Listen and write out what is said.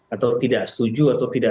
atau tidak setuju atau tidak